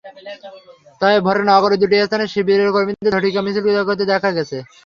তবে ভোরে নগরের দুটি স্থানে শিবিরের কর্মীদের ঝটিকা মিছিল করতে দেখা গেছে।